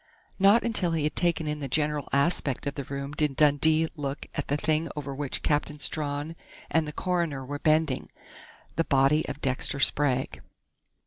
Not until he had taken in the general aspect of the room did Dundee look at the thing over which Captain Strawn and the coroner were bending the body of Dexter Sprague.